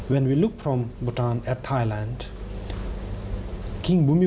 แปลกว่าไม่แค่ผู้ประกอบของภาพไทย